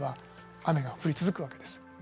雨が降り続くわけです。